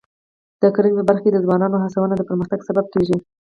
د کرنې په برخه کې د ځوانانو هڅونه د پرمختګ سبب کېږي.